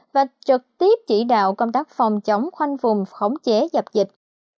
và trực tiếp chỉ đạo công tác phòng chống khoanh vùng khống chế dập dịch